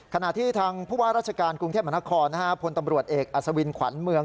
ขณะที่ทางผู้ว่าราชการกรุงเทพมหานครพลตำรวจเอกอัศวินขวัญเมือง